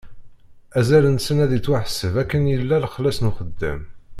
Azal-nsen ad ittwaḥseb akken yella lexlaṣ n uxeddam.